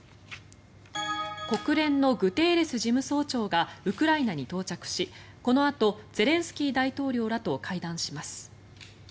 国連のグテーレス事務総長がウクライナに到着しこのあとゼレンスキー大統領らと会談します。